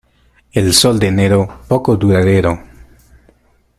El sol de enero poco duradero.